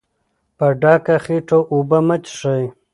په ډکه خېټه اوبه مه څښئ.